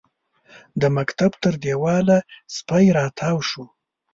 د مکتب تر دېواله سپی راتاو شو.